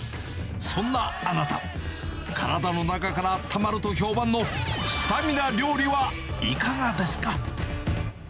そんなあなた、体の中からあったまると評判のスタミナ料理はいかがですか？